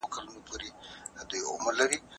د چیلینجونو مقابله یوازې د زړورو خلکو کار دی.